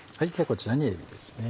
こちらにえびですね。